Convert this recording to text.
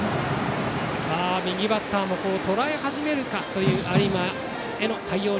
右バッターもとらえ始めるかという有馬への対応。